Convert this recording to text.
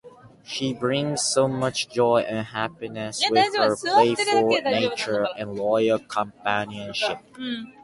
She brings so much joy and happiness with her playful nature and loyal companionship.